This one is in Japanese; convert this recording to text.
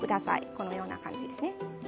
このような感じですね。